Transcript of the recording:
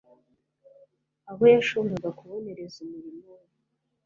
abo yashoboraga kubonereza umurimo we.